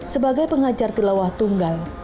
sebagai pengajar tilawah tunggal